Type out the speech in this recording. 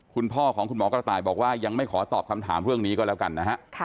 คุณพ่อของคุณหมอกระต่ายบอกว่ายังไม่ขอตอบคำถามเรื่องนี้ก็แล้วกันนะฮะ